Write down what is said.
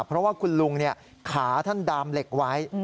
เพราะว่าคุณลุงขาท่านดามเหล็กไว้